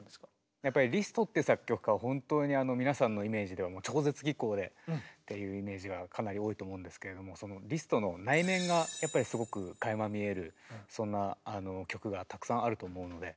やっぱりリストって作曲家は本当に皆さんのイメージでは超絶技巧でっていうイメージがかなり多いと思うんですけれどもリストの内面がやっぱりすごくかいま見えるそんな曲がたくさんあると思うので。